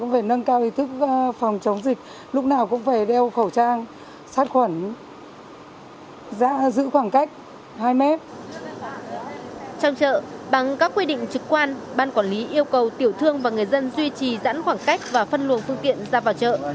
trong chợ bằng các quy định trực quan ban quản lý yêu cầu tiểu thương và người dân duy trì giãn khoảng cách và phân luồng phương tiện ra vào chợ